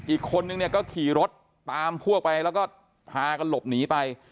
อีกคนนึงเนี่ยก็ขี่รถตามพวกไปแล้วก็พากันหลบหนีไป